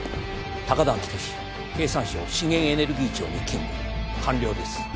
高田明敏経産省資源エネルギー庁に勤務官僚です